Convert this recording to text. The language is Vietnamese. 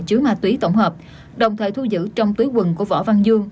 chứa ma túy tổng hợp đồng thời thu giữ trong túi quần của võ văn dương